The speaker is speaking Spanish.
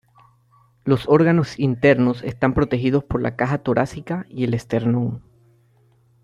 Los órganos internos están protegidos por la caja torácica y el esternón.